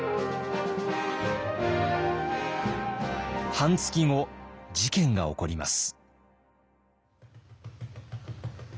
半月後事件が起こります。